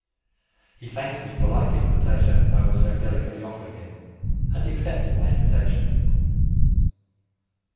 He thanked me politely for the pleasure I was so delicately offering him, and accepted my invitation.